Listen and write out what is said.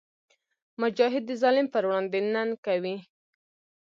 مجاهد د ظالم پر وړاندې ننګ کوي.